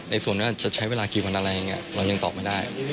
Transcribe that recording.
ส่วนว่าจะใช้เวลากี่วันอะไรอย่างนี้เรายังตอบไม่ได้